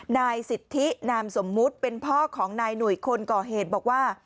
นายสิทธินามสมมุติเป็นพ่อของนายหนุ่ยคนก่อเหตุบอกว่า